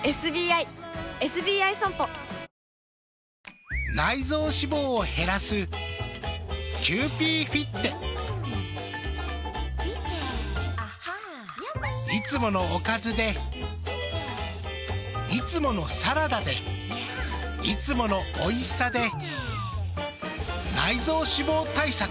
いってるいやいやいつものおかずでいつものサラダでいつものおいしさで内臓脂肪対策。